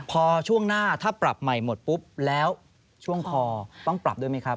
พอช่วงหน้าถ้าปรับใหม่หมดปุ๊บแล้วช่วงคอต้องปรับด้วยไหมครับ